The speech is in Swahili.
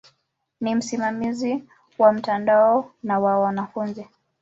Ni msimamizi wa mtandao na wa wanafunzi.